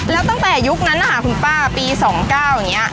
แล้วตั้งแต่ยุคนั้นนะคะคุณป้าปี๒๙อย่างนี้